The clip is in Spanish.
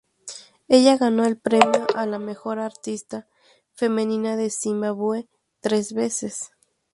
Ella ganó el premio a la "Mejor Artista Femenina de Zimbabue" tres veces.